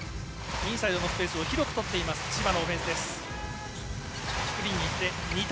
インサイドのスペースを広く取っている千葉のオフェンスです。